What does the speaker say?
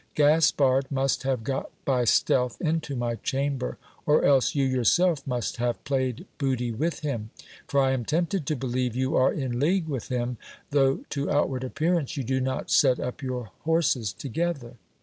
Gaspard must have got by stealth into my chamber, or else you yourself must have played booty with him ; for I am tempted to believe you are in league with him, though to outward appearance you do not set up your horses together.